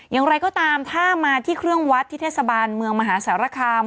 อย่างไรก็ตามถ้ามาที่เครื่องวัดที่เทศบาลเมืองมหาสารคาม